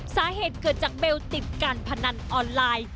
สาเหตุเกิดจากเบลติดการพนันออนไลน์